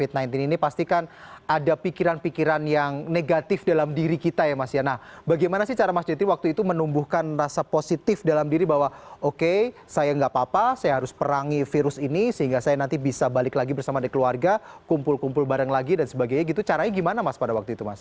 ini pasti kan ada pikiran pikiran yang negatif dalam diri kita yang masih anda bagaimana secara mas kwan itu menyumbangkan rasa positif dalam diri bahwa oke saya nggak papa saya harus perangani virus ini sehingga saya nanti bisa balik lagi bersama keluarga kumpul kumpul bareng lagi dan sebagainya gitu caranya gimana masa pada waktu itu mas